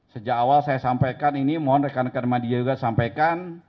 sejak awal saya sampaikan ini mohon rekan rekan media juga sampaikan